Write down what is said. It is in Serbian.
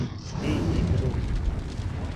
Ви и др.